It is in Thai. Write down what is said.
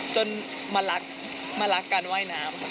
จนมารักการว่ายน้ำ